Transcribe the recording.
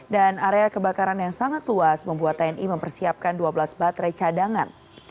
area kebakaran yang sangat luas membuat tni mempersiapkan dua belas baterai cadangan